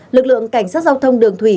lực lượng cảnh sát giao thông đường thủy